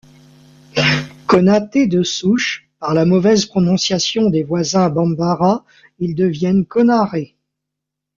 Konaté de souche, par la mauvaise prononciation des voisins Bambara, ils deviennent Konaré.